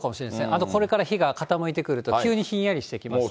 あと、これから日が傾いてくると急にひんやりしてきますね。